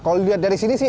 kalau dilihat dari sini sih